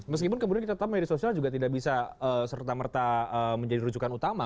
meskipun kemudian kita tahu media sosial juga tidak bisa serta merta menjadi rujukan utama